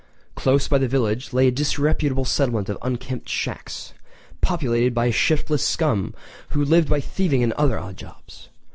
Close by the village lay a disreputable settlement of unkempt shacks, populated by a shiftless scum who lived by thieving and other odd jobs.